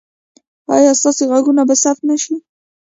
ایا ستاسو غږ به ثبت نه شي؟